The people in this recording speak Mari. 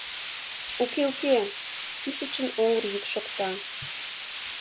— Уке-уке... — кӱшычын оҥгыр йӱк шокта.